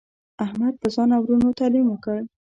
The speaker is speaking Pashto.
احمد په ځان او ورونو تعلیم وکړ.